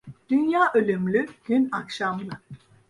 Dünya ölümlü, gün akşamlı.